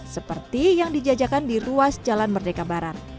seperti yang dijajakan di ruas jalan merdeka barat